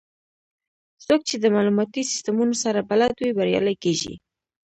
څوک چې د معلوماتي سیستمونو سره بلد وي، بریالي کېږي.